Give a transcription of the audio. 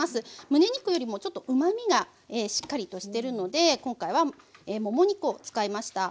むね肉よりもちょっとうまみがしっかりとしてるので今回はもも肉を使いました。